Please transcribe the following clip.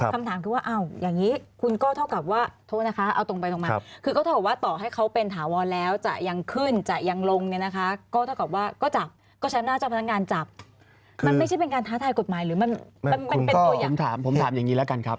คำถามก็คือว่าเอาอย่างนี้